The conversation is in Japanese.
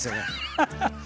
ハハハハ！